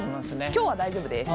今日は大丈夫です。